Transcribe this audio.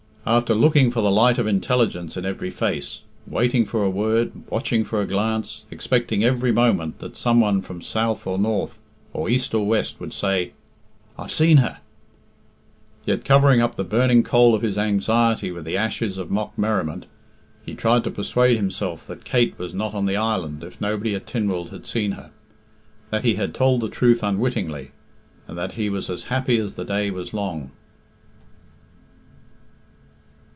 After looking for the light of intelligence in every face, waiting for a word, watching for a glance, expecting every moment that some one from south or north, or east or west, would say, "I've seen her;" yet, covering up the burning coal of his anxiety with the ashes of mock merriment, he tried to persuade himself that Kate was not on the island if nobody at Tynwald had seen her; that he had told the truth unwittingly, and that he was as happy as the day was long.